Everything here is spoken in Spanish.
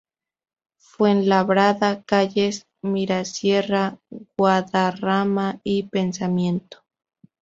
Fuenlabrada, calles Mirasierra, Guadarrama y Pensamiento.